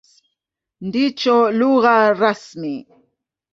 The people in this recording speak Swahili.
Ndicho lugha rasmi.